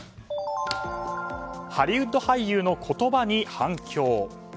ハリウッド俳優の言葉に反響。